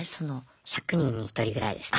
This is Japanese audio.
１００人に１人ぐらいですね。